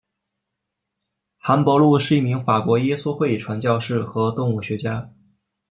韩伯禄是一名法国耶稣会传教士和动物学家。